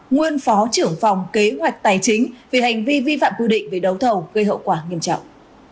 nguyên phó trưởng phòng kế hoạch tài chính vì hành vi vi phạm quy định về đấu thầu gây hậu quả nghiêm trọng